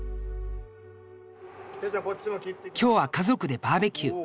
今日は家族でバーベキュー。